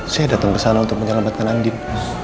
saya datang kesana untuk menyelamatkan andin